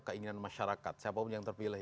keinginan masyarakat siapa pun yang terpilih